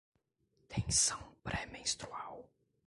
Tensão pré-menstrual